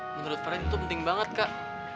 menurut faren itu penting banget kak